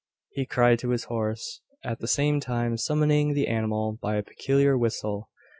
he cried to his horse, at the same time summoning the animal by a peculiar whistle.